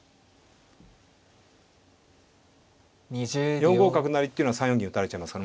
４五角成っていうのは３四銀打たれちゃいますから。